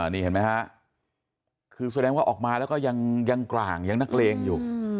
นี่เห็นไหมฮะคือแสดงว่าออกมาแล้วก็ยังกร่างยังนักเลงอยู่